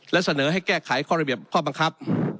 และเสนอให้แก้ไขข้อระเบียบข้อบังคับ